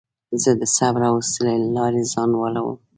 زه د صبر او حوصلې له لارې ځان لوړوم.